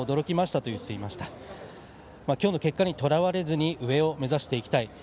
きょうの結果にとらわれずに上を目指していきたい。